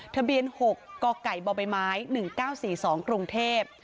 ทะเบียน๖กกบไม้๑๙๔๒กรุงเทพ